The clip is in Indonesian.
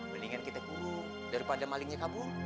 mendingan kita guru daripada malingnya kabur